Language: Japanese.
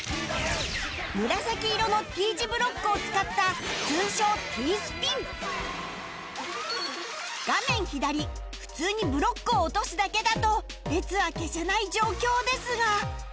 紫色の Ｔ 字ブロックを使った通称画面左普通にブロックを落とすだけだと列は消せない状況ですが